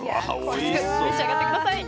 早速召し上がって下さい。